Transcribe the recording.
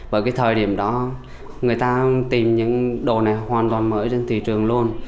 bởi cái thời điểm đó người ta tìm những đồ này hoàn toàn mới trên thị trường luôn